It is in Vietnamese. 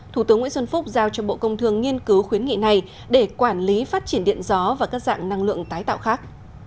thủ tướng nguyễn xuân phúc giao cho bộ công thương nghiên cứu khuyến nghị này để quản lý phát triển điện gió và các dạng năng lượng tái tạo khác